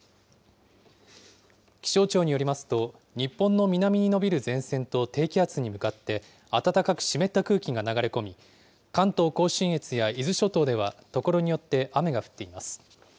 気象庁によりますと、日本の南に延びる前線と低気圧に向かって、暖かく湿った空気が流れ込み、関東甲信越や伊豆諸島では所によって雨が降っています。